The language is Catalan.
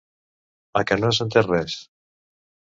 A què no has entès res?